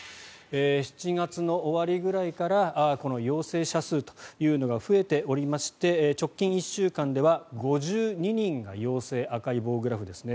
７月の終わりぐらいから陽性者数というのが増えておりまして直近１週間では５２人が陽性赤い棒グラフですね。